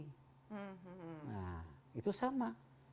nah itu sama